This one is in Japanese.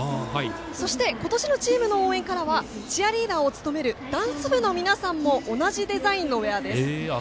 そして、今年のチームの応援カラーはチアリーダーを務めるダンス部の皆さんも同じデザインのウエアです。